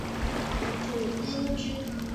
汝阴郡。